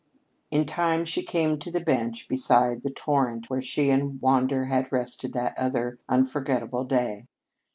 In time she came to the bench beside the torrent where she and Wander had rested that other, unforgettable day.